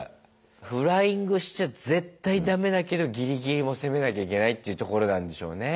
フライングしちゃ絶対だめだけどギリギリも攻めなきゃいけないっていうところなんでしょうね。